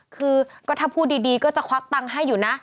คือก็ถ้าพูดดีก็จะควักตังค์ให้อยู่นะ